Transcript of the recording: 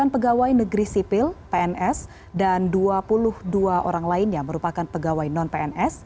delapan pegawai negeri sipil pns dan dua puluh dua orang lainnya merupakan pegawai non pns